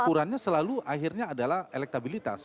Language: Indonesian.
ukurannya selalu akhirnya adalah elektabilitas